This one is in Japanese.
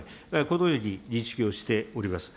このように認識をしております。